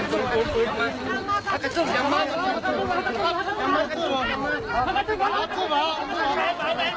อยู่ให้บอกไป